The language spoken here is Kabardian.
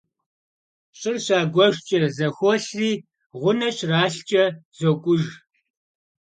ЩӀыр щагуэшкӀэ зэхуолъри, гъунэ щралъкӀэ зокӀуж.